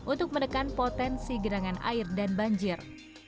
untuk menekan potensi genangan air dan banjir